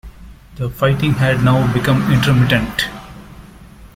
The fighting had now become intermittent.